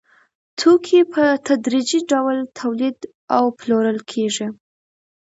توکي په تدریجي ډول تولید او پلورل کېږي